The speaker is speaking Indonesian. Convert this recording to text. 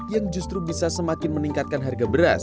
yang justru bisa semakin meningkatkan harga beras